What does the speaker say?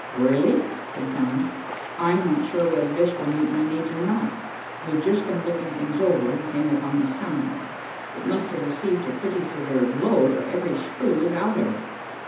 "Really," said Tom, "I'm not sure whether this will meet my needs or not. We've just been looking things over and came upon this sign. It must have received a pretty severe blow, for every screw is out of it."